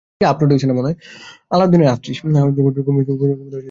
দুপুরবেলাটা বন্ধুর সঙ্গে গল্প করিয়া কাটাইয়া বেলা পড়িয়া আসিলে কুমুদ বিদায় গ্রহণ করিল।